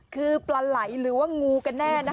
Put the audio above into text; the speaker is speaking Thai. คือปลาไหลหรือว่างูกันแน่นะคะ